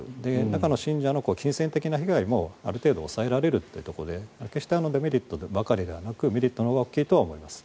中の信者の金銭的な被害もある程度抑えられるというところでデメリットばかりではなくメリットのほうが大きいと思います。